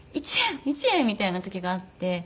１円１円みたいな時があって。